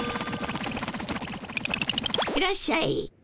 いらっしゃい。